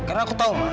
karena aku tahu ma